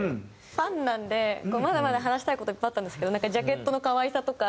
ファンなのでまだまだ話したい事いっぱいあったんですけどジャケットの可愛さとか。